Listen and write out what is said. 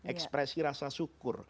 ekspresi rasa syukur